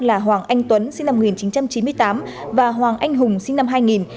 là hoàng anh tuấn sinh năm một nghìn chín trăm chín mươi tám và hoàng anh hùng sinh năm hai nghìn